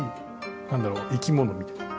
なんだろう生き物みたいな。